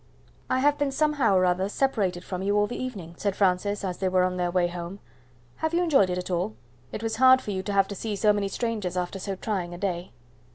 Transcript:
"I have been somehow or other separated from you all the evening," said Francis, as they were on their way home. "Have you enjoyed it at all? It was hard for you to have to see so many strangers after so trying a day."